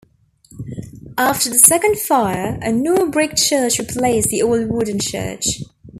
After the second fire a new brick church replaced the old wooden church.